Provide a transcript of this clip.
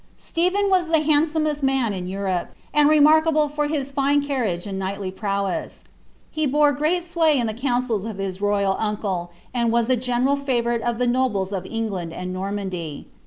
Stephen was the handsomest man in Europe, and remarkable for hii fine ciirriagc and knightly prowess. He bore great sway in the couscQi of Ilia royal uncle, and was a general favourite of the nobles of Eo^inJ and Normandy.